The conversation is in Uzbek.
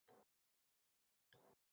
his etolmasligi bilan bog‘liq.